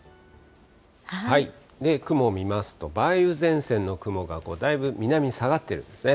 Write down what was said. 雲見ますと、梅雨前線の雲がだいぶ南に下がってるんですね。